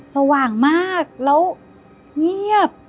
สว่างมากแล้วเงียบ